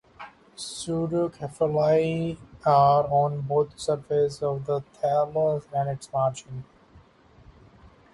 Pseudocyphellae are on both the surface of the thallus and its margins.